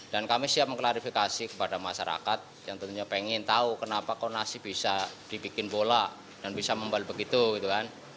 kami siap mengklarifikasi kepada masyarakat yang tentunya pengen tahu kenapa kok nasi bisa dibikin bola dan bisa membal begitu gitu kan